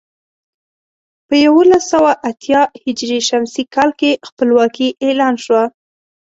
په یولس سوه اتيا ه ش کال کې خپلواکي اعلان شوه.